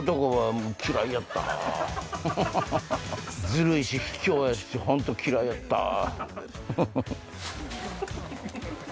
ずるいし卑怯やし本当嫌いやったわ。